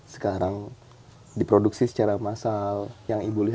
sekarang diproduksi secara massal